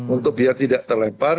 untuk biar tidak terlempar